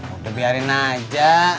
udah biarin aja